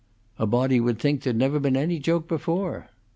"A body would think there had never been any joke before."